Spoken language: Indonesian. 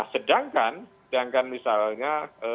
sedangkan sedangkan misalnya